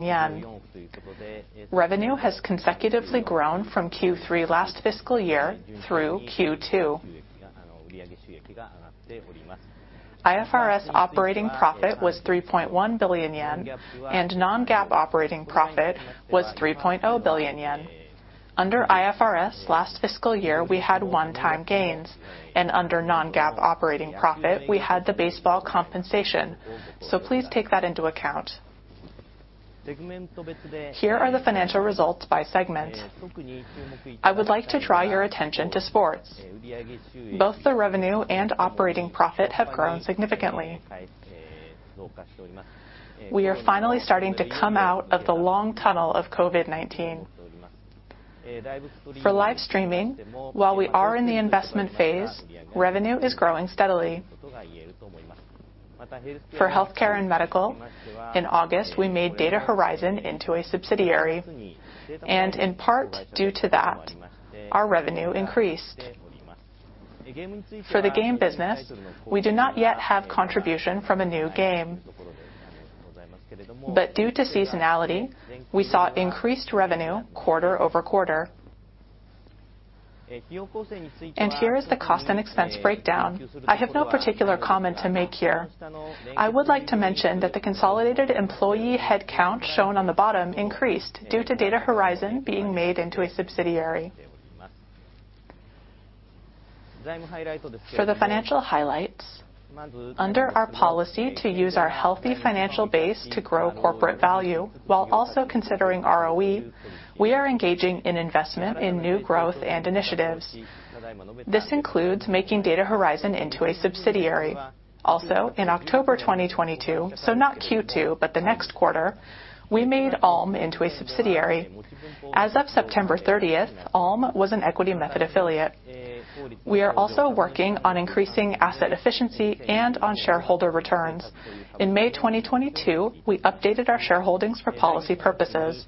Yen. Revenue has consecutively grown from Q3 last fiscal year through Q2. IFRS operating profit was 3.1 billion yen and non-GAAP operating profit was 3.0 billion yen. Under IFRS last fiscal year, we had one-time gains, and under non-GAAP operating profit, we had the baseball compensation. Please take that into account. Here are the financial results by segment. I would like to draw your attention to sports. Both the revenue and operating profit have grown significantly. We are finally starting to come out of the long tunnel of COVID-19. For live streaming, while we are in the investment phase, revenue is growing steadily. For healthcare and medical, in August, we made Data Horizon into a subsidiary, and in part, due to that, our revenue increased. For the game business, we do not yet have contribution from a new game. Due to seasonality, we saw increased revenue quarter-over-quarter. Here is the cost and expense breakdown. I have no particular comment to make here. I would like to mention that the consolidated employee headcount shown on the bottom increased due to Data Horizon being made into a subsidiary. For the financial highlights, under our policy to use our healthy financial base to grow corporate value, while also considering ROE, we are engaging in investment in new growth and initiatives. This includes making Data Horizon into a subsidiary. Also, in October 2022, so not Q2 but the next quarter, we made Allm into a subsidiary. As of September 30th, Allm was an equity method affiliate. We are also working on increasing asset efficiency and on shareholder returns. In May 2022, we updated our shareholdings for policy purposes.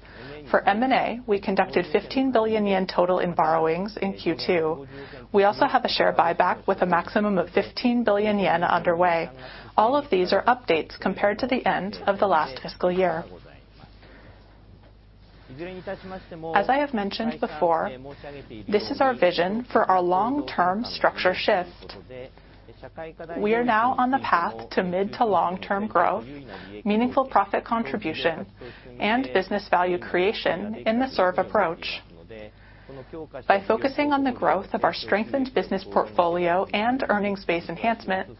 For M&A, we conducted 15 billion yen total in borrowings in Q2. We also have a share buyback with a maximum of 15 billion yen underway. All of these are updates compared to the end of the last fiscal year. As I have mentioned before, this is our vision for our long-term structure shift. We are now on the path to mid- to long-term growth, meaningful profit contribution, and business value creation in the Serve approach. By focusing on the growth of our strengthened business portfolio and earning space enhancement,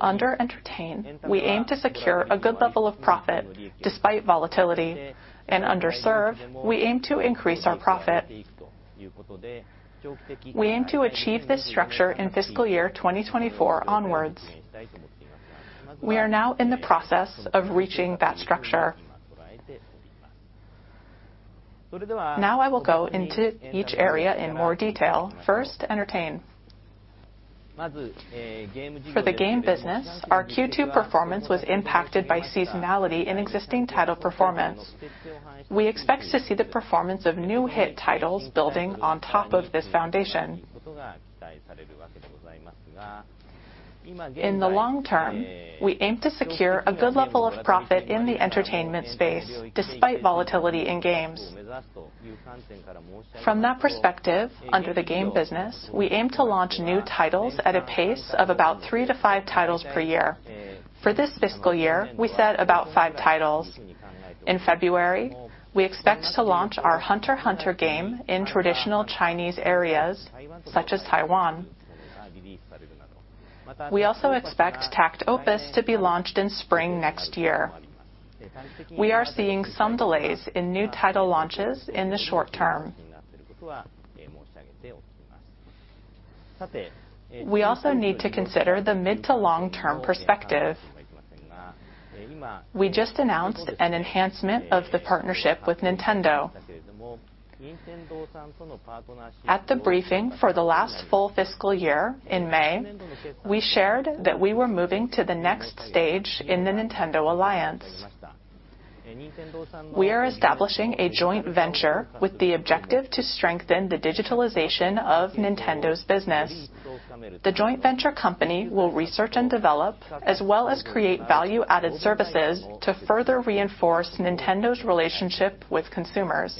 under Entertain, we aim to secure a good level of profit despite volatility. Under Serve, we aim to increase our profit. We aim to achieve this structure in fiscal year 2024 onwards. We are now in the process of reaching that structure. I will go into each area in more detail. First, Entertain. For the game business, our Q2 performance was impacted by seasonality in existing title performance. We expect to see the performance of new hit titles building on top of this foundation. In the long term, we aim to secure a good level of profit in the entertainment space, despite volatility in games. From that perspective, under the game business, we aim to launch new titles at a pace of about three to five titles per year. For this fiscal year, we said about five titles. In February, we expect to launch our Hunter x Hunter game in traditional Chinese areas, such as Taiwan. We also expect takt op. to be launched in spring next year. We are seeing some delays in new title launches in the short term. We also need to consider the mid- to long-term perspective. We just announced an enhancement of the partnership with Nintendo. At the briefing for the last full fiscal year in May, we shared that we were moving to the next stage in the Nintendo alliance. We are establishing a joint venture with the objective to strengthen the digitalization of Nintendo's business. The joint venture company will research and develop as well as create value-added services to further reinforce Nintendo's relationship with consumers.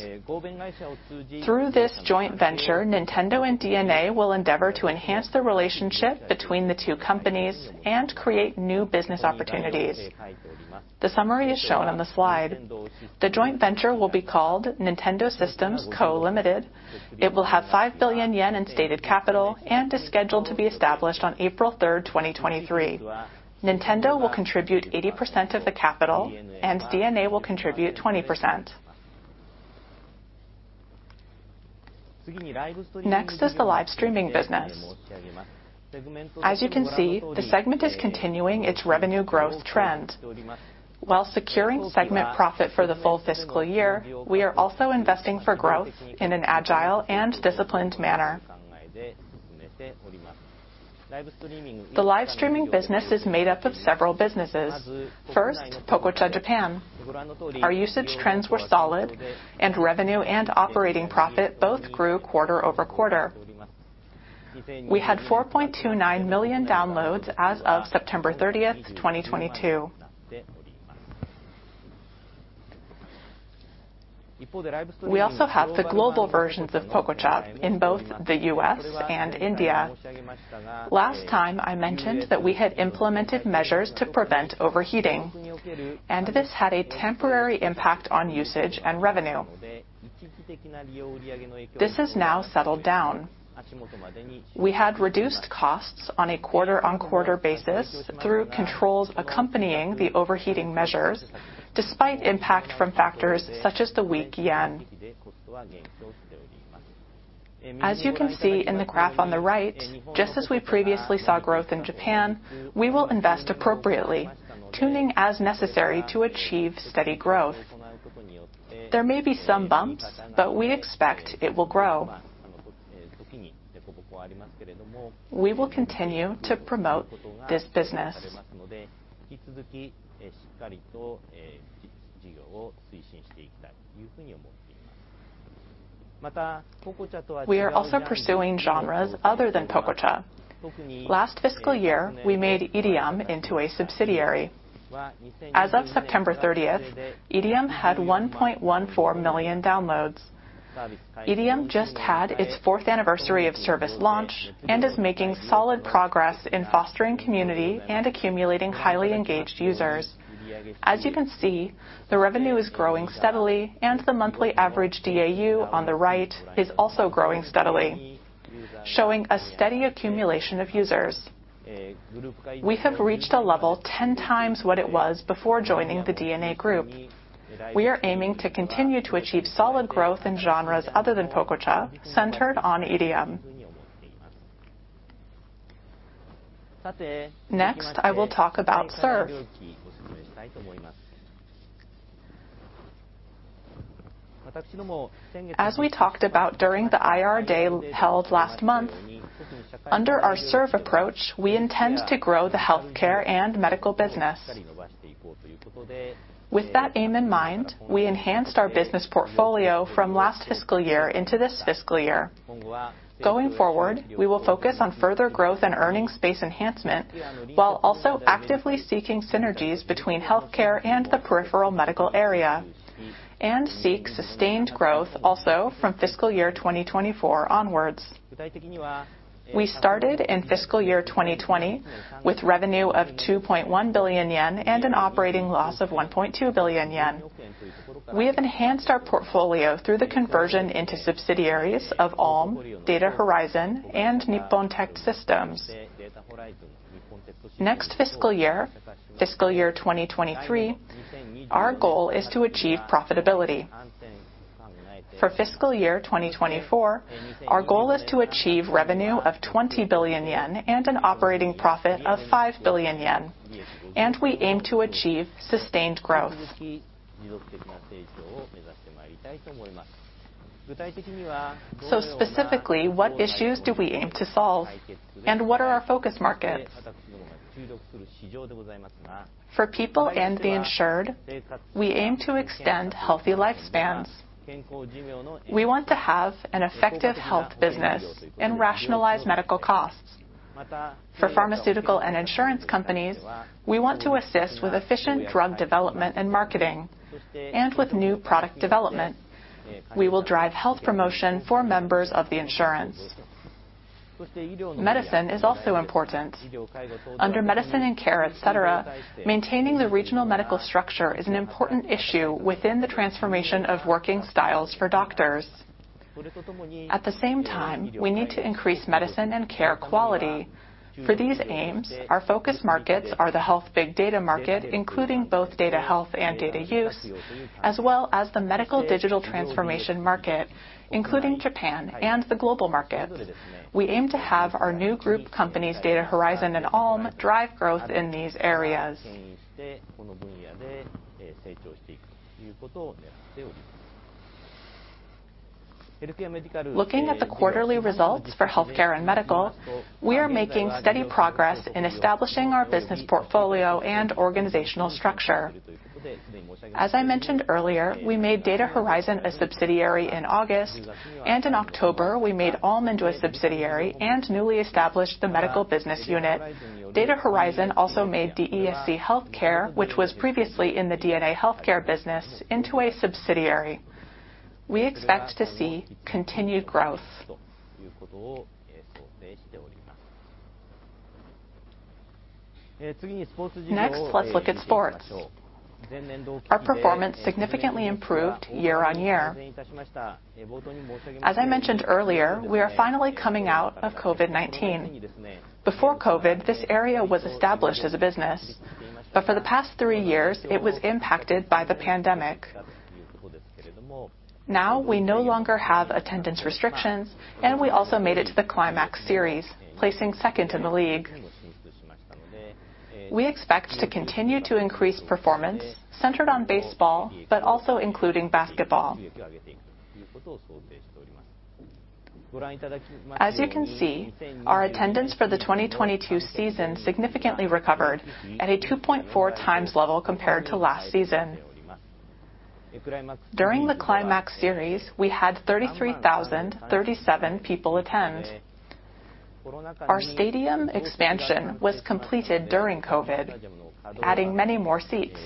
Through this joint venture, Nintendo and DeNA will endeavor to enhance the relationship between the two companies and create new business opportunities. The summary is shown on the slide. The joint venture will be called Nintendo Systems Co., Ltd. It will have 5 billion yen in stated capital and is scheduled to be established on April 3rd, 2023. Nintendo will contribute 80% of the capital, and DeNA will contribute 20%. Next is the live streaming business. As you can see, the segment is continuing its revenue growth trend. While securing segment profit for the full fiscal year, we are also investing for growth in an agile and disciplined manner. The live streaming business is made up of several businesses. First, Pococha Japan. Our usage trends were solid, and revenue and operating profit both grew quarter-over-quarter. We had 4.29 million downloads as of September 30th, 2022. We also have the global versions of Pococha in both the U.S. and India. Last time, I mentioned that we had implemented measures to prevent overheating, and this had a temporary impact on usage and revenue. This has now settled down. We had reduced costs on a quarter-on-quarter basis through controls accompanying the overheating measures, despite impact from factors such as the weak yen. As you can see in the graph on the right, just as we previously saw growth in Japan, we will invest appropriately, tuning as necessary to achieve steady growth. There may be some bumps, but we expect it will grow. We will continue to promote this business. We are also pursuing genres other than Pococha. Last fiscal year, we made IRIAM into a subsidiary. As of September 30th, IRIAM had 1.14 million downloads. IRIAM just had its fourth anniversary of service launch and is making solid progress in fostering community and accumulating highly engaged users. As you can see, the revenue is growing steadily, and the monthly average DAU on the right is also growing steadily, showing a steady accumulation of users. We have reached a level 10 times what it was before joining the DeNA group. We are aiming to continue to achieve solid growth in genres other than Pococha, centered on IRIAM. Next, I will talk about Serve. As we talked about during the Investor Day held last month, under our Serve approach, we intend to grow the healthcare and medical business. With that aim in mind, we enhanced our business portfolio from last fiscal year into this fiscal year. Going forward, we will focus on further growth and earning space enhancement while also actively seeking synergies between healthcare and the peripheral medical area, and seek sustained growth also from fiscal year 2024 onwards. We started in fiscal year 2020 with revenue of 2.1 billion yen and an operating loss of 1.2 billion yen. We have enhanced our portfolio through the conversion into subsidiaries of Allm, Data Horizon, and Nippon Tech Systems. Next fiscal year, fiscal year 2023, our goal is to achieve profitability. For FY 2024, our goal is to achieve revenue of 20 billion yen and an operating profit of 5 billion yen, and we aim to achieve sustained growth. Specifically, what issues do we aim to solve and what are our focus markets? For people and the insured, we aim to extend healthy lifespans. We want to have an effective health business and rationalize medical costs. For pharmaceutical and insurance companies, we want to assist with efficient drug development and marketing, and with new product development. We will drive health promotion for members of the insurance. Medicine is also important. Under medicine and care, et cetera, maintaining the regional medical structure is an important issue within the transformation of working styles for doctors. At the same time, we need to increase medicine and care quality. For these aims, our focus markets are the health big data market, including both data health and data use, as well as the medical digital transformation market, including Japan and the global markets. We aim to have our new group companies, Data Horizon and Allm, drive growth in these areas. Looking at the quarterly results for healthcare and medical, we are making steady progress in establishing our business portfolio and organizational structure. As I mentioned earlier, we made Data Horizon a subsidiary in August, and in October, we made Allm into a subsidiary and newly established the Medical Business Unit. Data Horizon also made DeSC Healthcare, which was previously in the DeNA healthcare business, into a subsidiary. We expect to see continued growth. Next, let's look at sports. Our performance significantly improved year-on-year. As I mentioned earlier, we are finally coming out of COVID-19. Before COVID, this area was established as a business, but for the past three years, it was impacted by the pandemic. Now, we no longer have attendance restrictions, and we also made it to the Climax Series, placing second in the league. We expect to continue to increase performance centered on baseball, but also including basketball. As you can see, our attendance for the 2022 season significantly recovered at a 2.4 times level compared to last season. During the Climax Series, we had 33,037 people attend. Our stadium expansion was completed during COVID, adding many more seats